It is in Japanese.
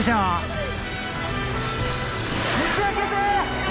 ・はい！